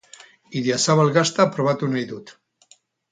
Idiazabal gazta probatu nahi dut.